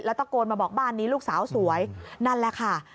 ตะโกนมาบอกบ้านนี้ลูกสาวสวยนั่นแหละค่ะ